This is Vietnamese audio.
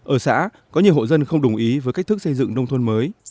ở xã có nhiều hộ dân không đồng ý với cách thức xây dựng nông thôn mới